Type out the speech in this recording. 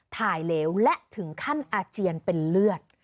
เหลวและถึงขั้นอาเจียนเป็นเลือด